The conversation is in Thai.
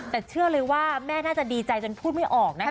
แต่เชื่อเลยว่าแม่น่าจะดีใจจนพูดไม่ออกนะคะ